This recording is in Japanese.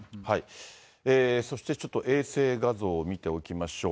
そしてちょっと、衛星画像を見ておきましょう。